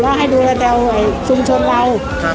ก็ให้ดูแล้วจะเอาชุมชนเรา